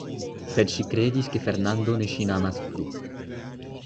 Sed ŝi kredis, ke Fernando ne ŝin amas plu.